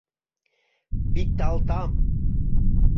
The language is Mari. Пикталтам!